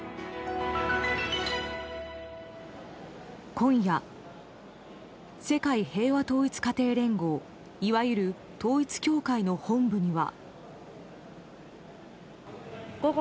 今夜、世界平和統一家庭連合いわゆる統一教会の本部には。